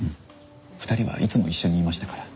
２人はいつも一緒にいましたから。